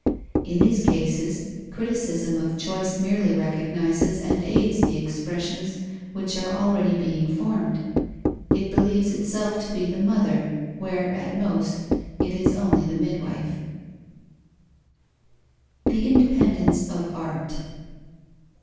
In these cases, criticism of choice merely recognizes and aids the expressions which are already being formed. It believes itself to be the mother, where, at most, it is only the midwife. _The independence of art.